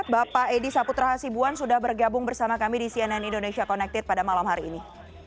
bapak edi saputra hasibuan sudah bergabung bersama kami di cnn indonesia connected pada malam hari ini